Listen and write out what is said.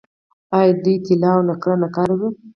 آیا دوی طلا او نقره نه کاروي؟